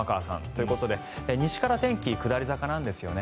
ということで、西から天気下り坂なんですよね。